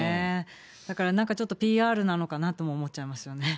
だから、なんかちょっとＰＲなのかなとも思っちゃいますよね。